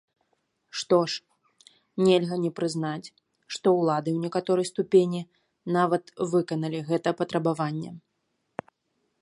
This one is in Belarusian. Што ж, нельга не прызнаць, што ўлады ў некаторай ступені нават выканалі гэта патрабаванне.